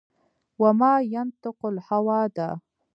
و ما ینطق الهوا ده